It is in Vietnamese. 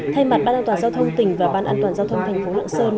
thay mặt ban an toàn giao thông tỉnh và ban an toàn giao thông thành phố lạng sơn